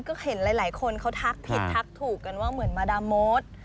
ก็เห็นหลายคนเขาทักผิดทักถูกกันว่าเหมือนมาดามโมท